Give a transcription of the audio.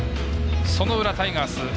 その裏、タイガース。